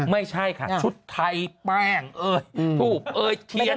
ไม่ใช่ค่ะชุดไทยแปลงทรูปเอ้ยเทียนเอ้ย